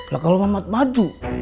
lah kalo mamat maju